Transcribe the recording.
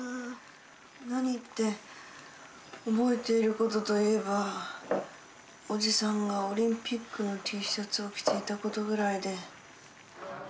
何って覚えている事といえばおじさんがオリンピックのＴシャツを着ていた事ぐらいで。